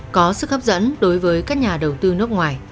có sức hấp dẫn đối với các nhà đầu tư nước ngoài